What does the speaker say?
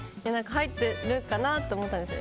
入ってるかなと思ったんですよ。